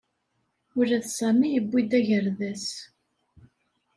Ula d Sami yewwi-d agerdas.